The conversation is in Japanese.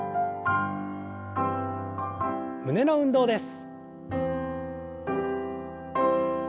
胸の運動です。